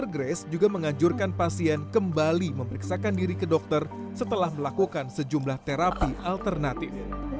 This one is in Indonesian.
dokter grace juga menganjurkan pasien kembali memeriksakan diri ke dokter setelah melakukan sejumlah terapi alternatif